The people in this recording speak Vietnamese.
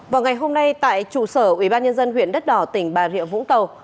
vào ngày hôm nay tại trụ sở ubnd huyện đất đỏ tỉnh bà rịa vũng tàu